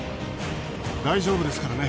大丈夫ですからね。